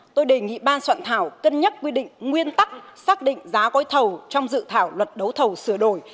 tôi đề nghị ban soạn thảo cân nhắc quy định nguyên tắc xác định giá gói thầu trong dự thảo luật đấu thầu sửa đổi